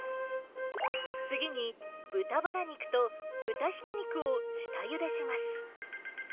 次に、豚バラ肉と豚ひき肉を下ゆでします。